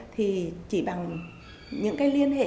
thì chỉ bằng những cái liên hệ